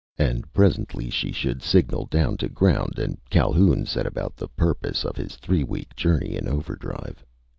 And presently she should signal down to ground and Calhoun set about the purpose of his three week journey in overdrive.